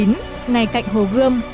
ngay cạnh hồ gươm